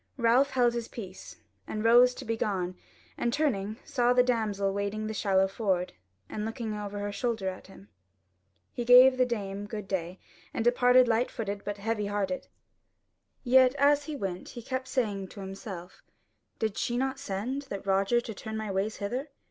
Ralph held his peace, and rose to be gone and turning saw the damsel wading the shallow ford, and looking over her shoulder at him. He gave the dame good day, and departed light foot but heavy hearted. Yet as he went, he kept saying to himself: "Did she not send that Roger to turn my ways hither?